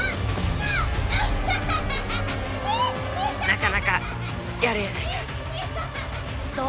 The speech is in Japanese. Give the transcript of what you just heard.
なかなかやるやないか。